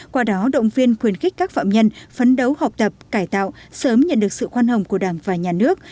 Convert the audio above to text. qua đó động viên khuyên khích các phạm nhân phấn đấu học tập cải tạo sớm nhận được sự khoan hồng của đảng và nhà nước